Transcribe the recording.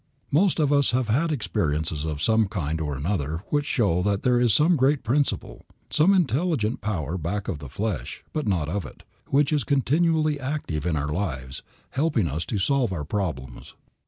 Most of us have had experiences of some kind or another which show that there is some great principle, some intelligent power back of the flesh, but not of it, which is continually active in our lives, helping us to solve our problems.